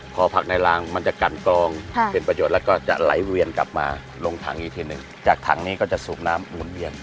พอผักในรางมันจะกันกรองเป็นประโยชน์แล้วก็จะไหลเวียนกลับมาลงถังอีกทีหนึ่งจากถังนี้ก็จะสูบน้ำหุ่นเวียน